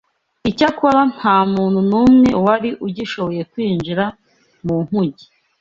Icyakora nta muntu n’umwe wari ugishoboye kwinjira mu nkuge.